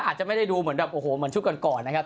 อาจจะไม่ได้ดูเหมือนชุดก่อนนะครับ